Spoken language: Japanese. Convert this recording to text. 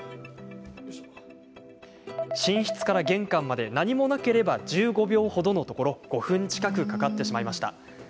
寝室から玄関まで何もなければ１５秒ほどのところ５分近くかかってしまいました。